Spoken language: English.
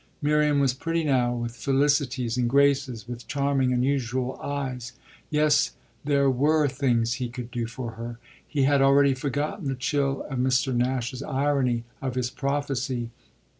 Miriam was pretty now, with felicities and graces, with charming, unusual eyes. Yes, there were things he could do for her; he had already forgotten the chill of Mr. Nash's irony, of his prophecy.